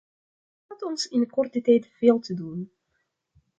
Er staat ons in korte tijd veel te doen.